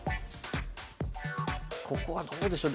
ここはどうでしょう。